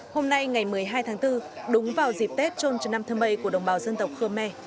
hôm nay ngày một mươi hai tháng bốn đúng vào dịp tết trôn trần nam thơ mây của đồng bào dân tộc khơ me